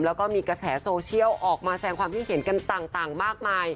แล้วก็มีกระแสโซเชียลออกมาแสงความคิดเห็นกันต่างมากมาย